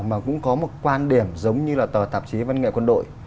mà cũng có một quan điểm giống như là tờ tạp chí văn nghệ quân đội